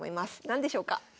何でしょうか？